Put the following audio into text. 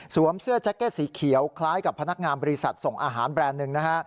เสื้อแจ็คเก็ตสีเขียวคล้ายกับพนักงานบริษัทส่งอาหารแบรนด์หนึ่งนะฮะ